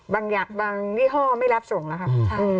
บางอย่างบางนี่ห้อไม่รับส่งแล้วครับ